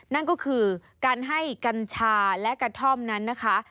นั่นก็คือการให้กัญชาและกระท่อมนั้นนะคะ